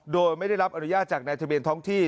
โดยไม่ได้รับอนุญาตจากในทะเบียนท้องที่